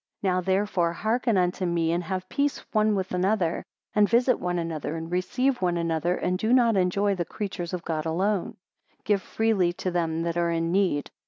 97 Now therefore hearken unto me, and have peace one with another, and visit one another, and receive one another, and do not enjoy the creatures of God alone. 98 Give freely to them that are in need.